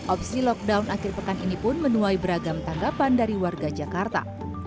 opsi lockdown akhir pekan ini pun menuai beragam tanggapan dari warga jakarta